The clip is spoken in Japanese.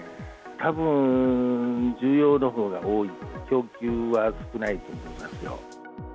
たぶん、需要のほうが多い、供給は少ないと思いますよ。